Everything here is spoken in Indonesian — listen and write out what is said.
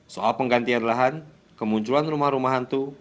soal penggantian lahan kemunculan rumah rumah hantu